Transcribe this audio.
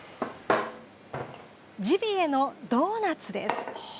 ジビエのドーナツです。